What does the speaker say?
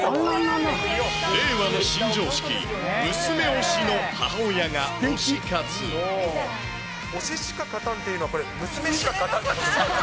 令和の新常識、娘推しの母親推ししか勝たんっていうのは、これ、娘しか勝たん。